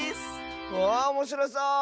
ああおもしろそう！